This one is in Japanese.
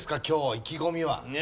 今日意気込みは。